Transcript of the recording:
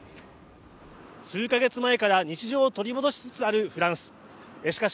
数か月前から日常を取り戻しつつあるフランスしかし